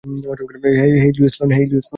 Hey, Lois lane.